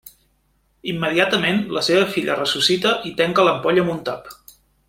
Immediatament la seva filla ressuscita i tanca l'ampolla amb un tap.